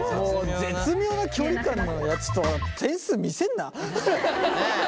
絶妙な距離感のやつとは点数見せんな。